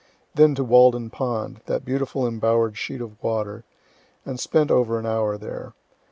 Then to Walden pond, that beautiful embower'd sheet of water, and spent over an hour there.